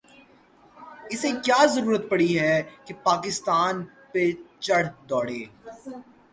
اسے کیا ضرورت پڑی ہے کہ پاکستان پہ چڑھ دوڑے۔